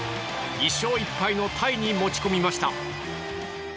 １勝１敗のタイに持ち込みました。